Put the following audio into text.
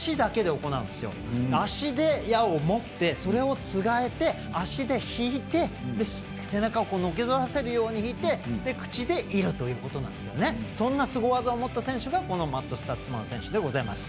足で、矢を持ってそれをつがえて足で引いて、背中をのけぞらせるようにして口で射るということなんですけどそんなすご技を持った選手がマット・スタッツマン選手でございます。